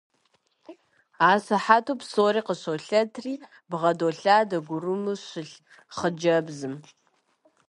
Асыхьэту псори къыщолъэтри, бгъэдолъадэ гурыму щылъ хъыджэбзым.